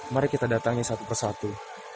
mari kita datangi satu persatu